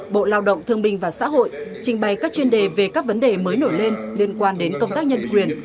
bộ lao động thương minh và xã hội trình bày các chuyên đề về các vấn đề mới nổi lên liên quan đến công tác nhân quyền